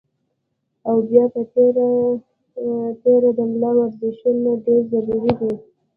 او بيا پۀ تېره تېره د ملا ورزشونه ډېر ضروري دي